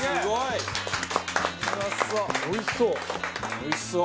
おいしそう。